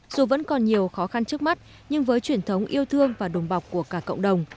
dù vẫn còn nhiều khó khăn trước mắt nhưng với truyền thống yêu thương và đùm bọc của cả cộng đồng